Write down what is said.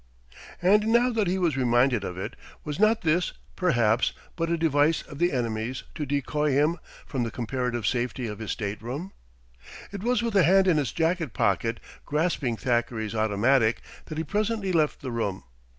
And now that he was reminded of it, was not this, perhaps, but a device of the enemy's to decoy him from the comparative safety of his stateroom? It was with a hand in his jacket pocket, grasping Thackeray's automatic, that he presently left the room.